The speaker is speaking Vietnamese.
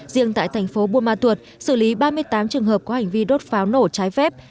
riêng tại thành phố buôn ma thuột xử lý ba mươi tám trường hợp có hành vi đốt pháo nổ trái phép